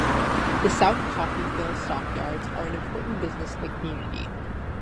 The South Coffeyville Stockyards are an important business in the community.